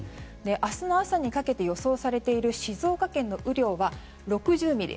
明日の朝にかけて予想されている静岡県の雨量は６０ミリ。